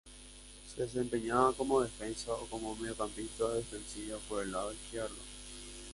Se desempeñaba como defensa o como mediocampista defensivo por el lado izquierdo.